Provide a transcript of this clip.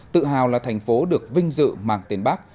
tự hào là thành phố được vinh dự mang tên bác